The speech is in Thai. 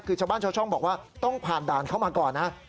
คือชาวบ้านชาวช่องบอกว่าต้องผ่านด่านเข้ามาก่อนนะ